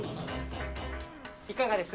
いかがです？